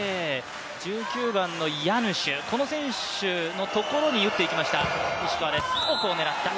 １９番のヤヌシュ、この選手のところに打っていきました石川です。